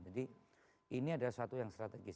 jadi ini adalah sesuatu yang strategis